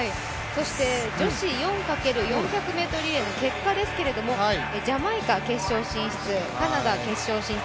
女子４×４００ｍリレーの結果ですけれどもジャマイカ、決勝進出、カナダ、決勝進出。